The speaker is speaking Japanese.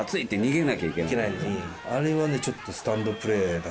あれはねちょっと。